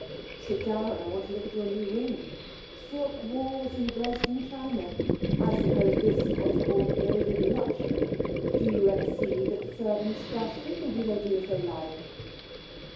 'Sit down. I want to look at your new room. Silk walls and Dresden china. I suppose this is what is called gilded luxury. Do you ever see that the servants dust it, or do they do as they like?'